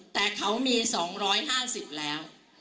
แต่เขามี๒๕๐แล้ว